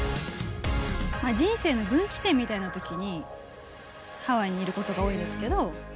人生の分岐点みたいなときに、ハワイにいることが多いですけど。